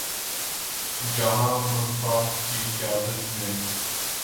جہاں مصباح کی قیادت میں